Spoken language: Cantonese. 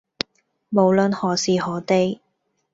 無論何時何地